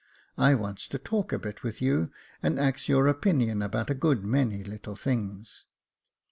I wants to talk a bit with you, and ax your opinion about a good many little things."